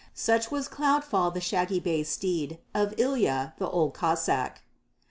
Such was Cloudfall the shaggy bay steed of Ilya the Old Cossáck.